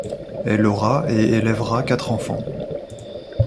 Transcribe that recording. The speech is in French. Elle aura et élèvera quatre enfants.